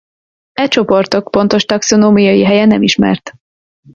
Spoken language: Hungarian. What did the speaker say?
E csoportok pontos taxonómiai helye nem ismert.